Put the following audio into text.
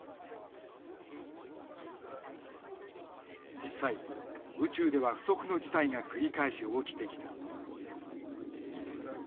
実際宇宙では不測の事態が繰り返し起きてきた。